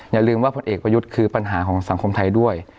อย่าลืมว่าผลเอกประยุทธ์คือปัญหาของสังคมไทยด้วย